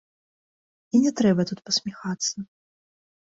І не трэба тут пасміхацца.